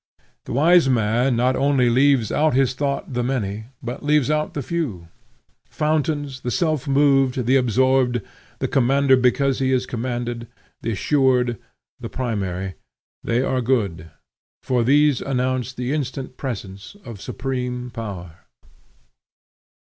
The wise man not only leaves out of his thought the many, but leaves out the few. Fountains, the self moved, the absorbed, the commander because he is commanded, the assured, the primary, they are good; for these announce the instant presence of supreme power.